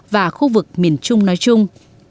và khu vực miền trung nói chung